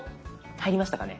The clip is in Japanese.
入りましたかね。